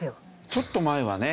ちょっと前はね